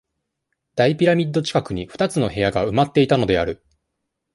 大ピラミッド近くに、二つの部屋が、埋まっていたのである。